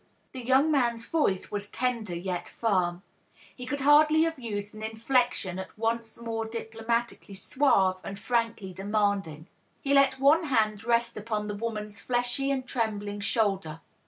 The young man^s voice was tender yet firm ; he could hardly have used an inflection at once more diplo matically suave and frankly demanding. He let one hand rest upon the woman's fleshy and trembling shoulder.